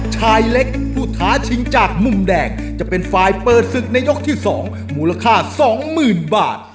ชายเล็กผู้ท้าชิงจากมุมแดงจะเป็นฝ่ายเปิดศึกในยกที่๒มูลค่า๒๐๐๐บาท